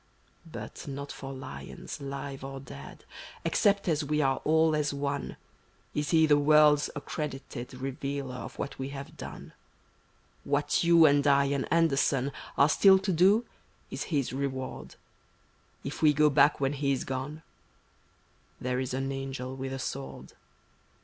But not for lions, live or dead, Except as we are all as one, Is he the world's accredited Revealer of what we have done; What You and I and Anderson Are still to do is his reward; If we go back when he is gone — There b an Angel with a Sword.